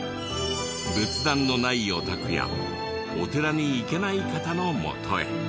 仏壇のないお宅やお寺に行けない方のもとへ。